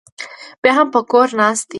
بیا هم په کور ناست دی.